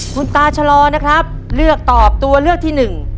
คุณตาชะลอนะครับเลือกตอบตัวเลือกที่หนึ่ง